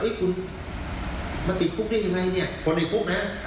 เอ๊ะคุณมาติดคุกนี้ยังไงเนี่ยคนในคุกนะครับ